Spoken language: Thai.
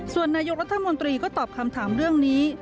ส่วนนายกรัฐมนตรีก็ตอบคำถามเรื่องนี้